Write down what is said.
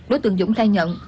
đối tượng dũng thay nhận